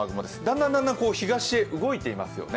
だんだん東へ動いていますよね。